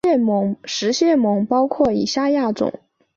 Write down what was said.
食蟹獴包括以下亚种